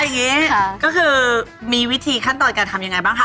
อย่างนี้ก็คือมีวิธีขั้นตอนการทำยังไงบ้างคะ